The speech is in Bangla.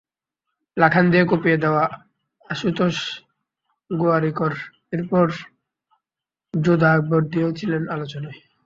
লগান দিয়ে কাঁপিয়ে দেওয়া আশুতোষ গোয়ারিকর এরপর যোধা আকবর দিয়েও ছিলেন আলোচনায়।